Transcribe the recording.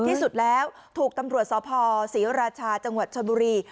ที่สุดแล้วถูกตำรวจสภศรีราชาจังหวัดชนบุรี